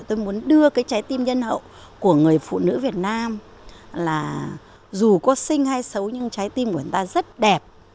tôi muốn đưa cái trái tim nhân hậu của người phụ nữ việt nam là dù có sinh hay xấu nhưng trái tim của chúng ta rất đẹp